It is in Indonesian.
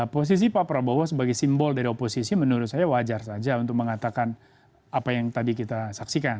posisi pak prabowo sebagai simbol dari oposisi menurut saya wajar saja untuk mengatakan apa yang tadi kita saksikan